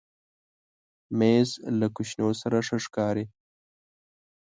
مېز له کوشنو سره ښه ښکاري.